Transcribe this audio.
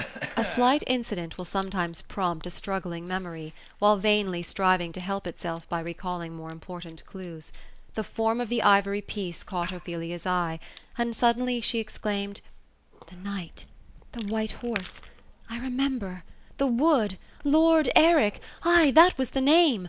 A slight incident will sometimes prompt a struggling memory, while ▼ainly striving to help itself by recalling more important clues. The form of the ivory piece canght Ophelia's eye; and suddenly she ex claimed, The knight ! The white horse ! I remember, the wood* — lord Eric — ^ay, that was the name.